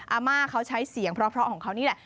อาม่าเขาใช้เสียงเพราะของเขานี่แหละ